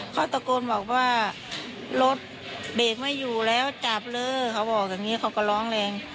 เขาตะโกนบอกว่ารถเบรกไม่อยู่แล้วจับเลยเขาบอกอย่างนี้เขาก็ร้องแรง